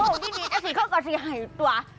บอกที่นี้เอาสิเขาก็สิไห่ตัว